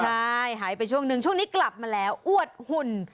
ใช่หายไปช่วงนึงช่วงนี้กลับมาแล้วอวดหุ่น